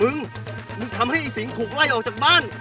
มึงมึงทำให้ไอ้สิงถูกไล่ออกจากบ้าน